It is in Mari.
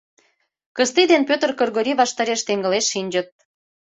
Кысти ден Пӧтыр Кыргорий ваштареш теҥгылеш шинчыт.